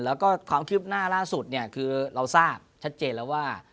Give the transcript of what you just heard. แล้วก็ความคืบหน้าล่าสุดเนี่ยคือเราทราบชัดเจนแล้วว่า